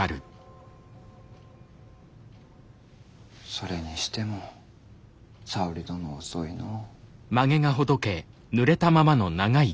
それにしても沙織殿遅いのぉ。